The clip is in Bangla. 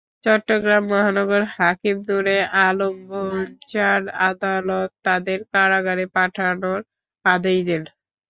চট্টগ্রাম মহানগর হাকিম নূরে আলম ভূঞার আদালত তাঁদের কারাগারে পাঠানোর আদেশ দেন।